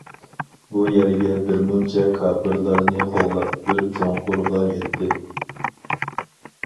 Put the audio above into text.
بۇ يەرگە بىرمۇنچە كاپىرلارنى قوغلاپ بىر چوڭقۇرغا يەتتى.